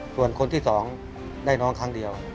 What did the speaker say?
ส่วนคนที่๒ได้น้องครั้งเดียว